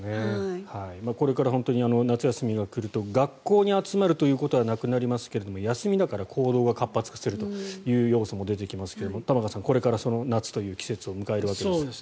これから本当に夏休みが来ると学校に集まるということはなくなりますけれども休みだから行動は活発化するという要素も出てきますけれど玉川さん、これから夏という季節を迎えるわけですが。